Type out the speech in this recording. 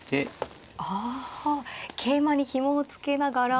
あ桂馬にひもを付けながら。